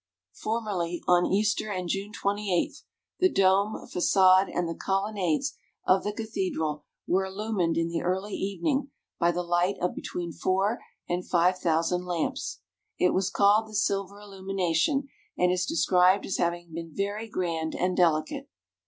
Formerly, on Easter and June 28, the dome, façade, and the colonnades of the cathedral were illumined in the early evening by the light of between four and five thousand lamps. It was called the silver illumination, and is described as having been very grand and delicate.